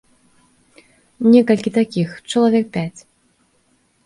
Некалькі такіх, чалавек пяць.